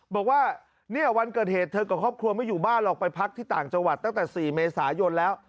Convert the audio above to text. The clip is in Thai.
บอกว่าเนี่ยวันเกิดเหตุเธอกับครอบครัวไม่อยู่บ้านหรอกไปพักที่ต่างจังหวัดตั้งแต่๔เมษายนแล้ว